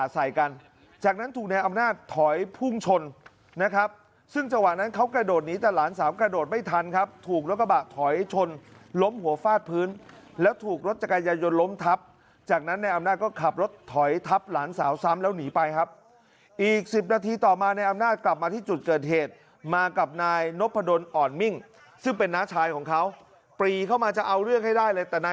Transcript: ใส่กันจากนั้นถูกนายอำนาจถอยพุ่งชนนะครับซึ่งจังหวะนั้นเขากระโดดหนีแต่หลานสาวกระโดดไม่ทันครับถูกรถกระบะถอยชนล้มหัวฟาดพื้นแล้วถูกรถจักรยายนล้มทับจากนั้นนายอำนาจก็ขับรถถอยทับหลานสาวซ้ำแล้วหนีไปครับอีก๑๐นาทีต่อมาในอำนาจกลับมาที่จุดเกิดเหตุมากับนายนพดลอ่อนมิ่งซึ่งเป็นน้าชายของเขาปรีเข้ามาจะเอาเรื่องให้ได้เลยต